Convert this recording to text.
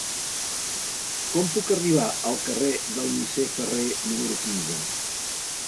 Com puc arribar al carrer del Misser Ferrer número quinze?